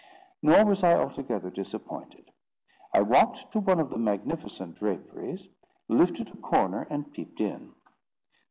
Nor was I altogether disappointed. I walked to one of the magnificent draperies, lifted a corner, and peeped in.